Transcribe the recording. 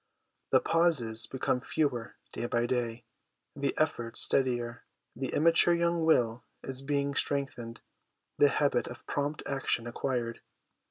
The pauses become fewer day by day, the efforts steadier, the immature young will is being strengthened, the habit of prompt action acquired.